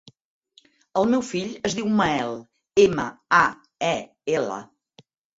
El meu fill es diu Mael: ema, a, e, ela.